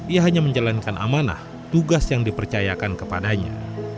ia hanya menjalankan amanah tugas yang dipercayakan kepadanya